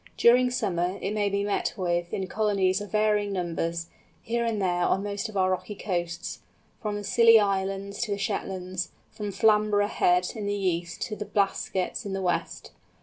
During summer it may be met with in colonies of varying numbers, here and there on most of our rocky coasts, from the Scilly Islands to the Shetlands, from Flamborough Head in the east to the Blaskets in the west.